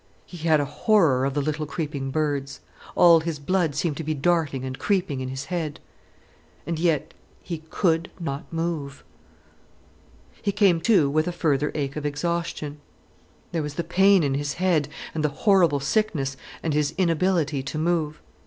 He had a horror of the little creeping birds. All his blood seemed to be darting and creeping in his head. And yet he could not move. He came to with a further ache of exhaustion. There was the pain in his head, and the horrible sickness, and his inability to move.